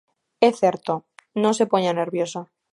É certo, non se poña nerviosa.